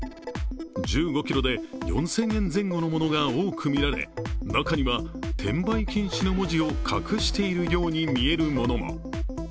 １５ｋｇで４０００円前後のものが多く見られ中には「転売禁止」の文字を隠しているように見えるものも。